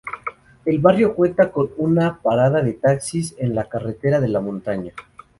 El barrio cuenta con una parada de taxis en la carretera de La Montaña.